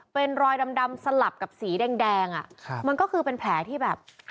เป็นรอยดำดำสลับกับสีแดงแดงอ่ะครับมันก็คือเป็นแผลที่แบบ